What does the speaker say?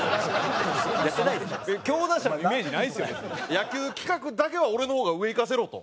野球企画だけは俺の方が上いかせろと。